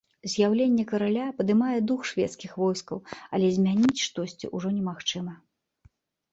З'яўленне караля падымае дух шведскіх войскаў, але змяніць штосьці ўжо немагчыма.